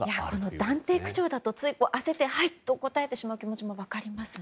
断定口調だとつい焦ってはいと答えてしまう気持ちも分かりますね。